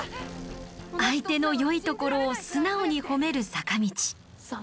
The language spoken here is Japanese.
相手の良いところを素直に褒める坂道。